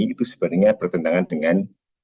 itu sebenarnya bertentangan dengan